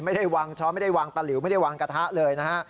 ไม่ได้วางช้อนไม่ได้วางตะหลิวไม่ได้วางกระทะเลยนะฮะ